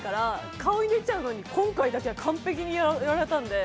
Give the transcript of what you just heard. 顔に出ちゃうのに今回だけは完璧にやられたんで。